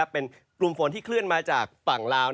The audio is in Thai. เป็นกลุ่มฝนที่เคลื่อนมาจากฝั่งลาว